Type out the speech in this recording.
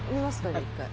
じゃあ一回。